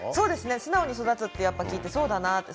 素直に育つと聞いてそうだなと。